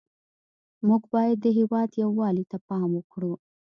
موږ باید د هېواد یووالي ته پام وکړو